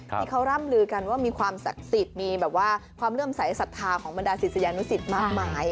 ที่เขาร่ำลือกันว่ามีความศักดิ์สิทธิ์มีแบบว่าความเลื่อมใสสัทธาของบรรดาศิษยานุสิตมากมาย